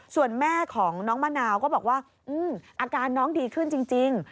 ส่วนแม่ของน้องมะนาวก็บอกว่าอาการน้องดีขึ้นจริง